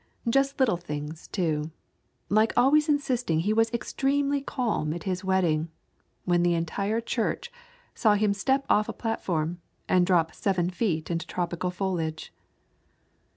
Just little things, too, like always insisting he was extremely calm at his wedding, when the entire church saw him step off a platform and drop seven feet into tropical foliage.